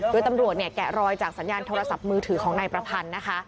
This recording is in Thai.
โดยตำรวจเนี่ยแกะรอยจากสัญญาณโทรศัพท์มือถือของนายประพันธ์นะคะ